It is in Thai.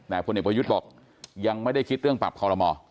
แต่ผู้หญิงประยุทธ์บอกยังไม่ได้คิดเรื่องปรับคอลโรมอล์